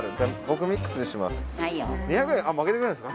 僕ミックスにします。